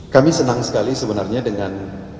kami senang sekali sebenarnya dengan